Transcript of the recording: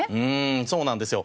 そうなんですよ。